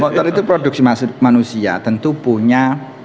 motor itu produksi manusia tentu punya